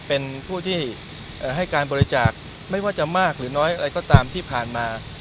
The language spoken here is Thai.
เป็นผู้ที่ให้การบริจาคไม่ว่าจะมากหรือน้อยอะไรก็ตามที่ผ่านมา